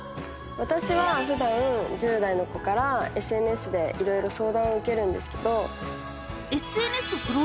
私はふだん１０代の子からＳＮＳでいろいろ相談を受けるんですけど。